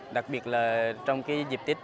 đặc biệt là trong cái dịp tết